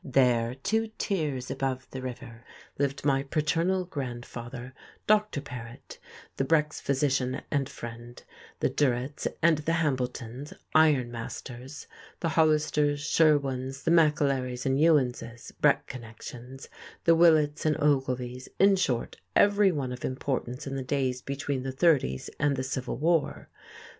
There, two tiers above the river, lived my paternal grandfather, Dr. Paret, the Breck's physician and friend; the Durretts and the Hambletons, iron masters; the Hollisters, Sherwins, the McAlerys and Ewanses, Breck connections, the Willetts and Ogilvys; in short, everyone of importance in the days between the 'thirties and the Civil War.